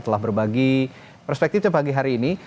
telah berbagi perspektif sepagi hari ini